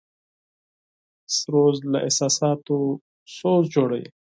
موزیک له احساساتو سوز جوړوي.